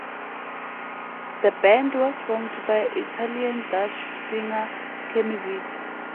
The band was formed by Italian-Dutch singer Kemi Vita.